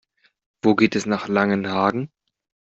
Wo geht es nach Langenhagen?